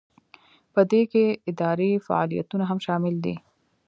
په دې کې اداري فعالیتونه هم شامل دي.